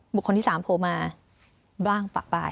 บุคคลที่๓โทรมาบ้างปะปลาย